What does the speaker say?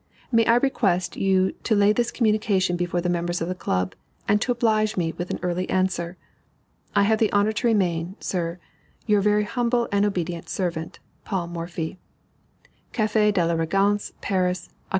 May I request you to lay this communication before the members of the Club, and to oblige me with an early answer? I have the honor to remain, Sir, Your very humble and obed't serv't, PAUL MORPHY. CAFE DE LA REGENCE, PARIS, _Oct.